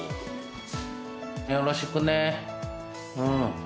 よろしくねうん。